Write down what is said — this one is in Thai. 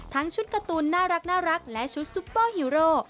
ชุดการ์ตูนน่ารักและชุดซุปเปอร์ฮีโร่